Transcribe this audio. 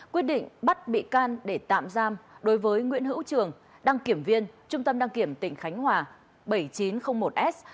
quyết định bắt bị can để tạm giam đối với nguyễn hữu trường đăng kiểm viên trung tâm đăng kiểm tỉnh khánh hòa bảy nghìn chín trăm linh một s